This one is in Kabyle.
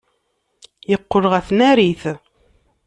Yeqqel ɣer tnarit.